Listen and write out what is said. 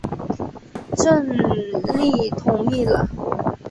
郑覃同意了。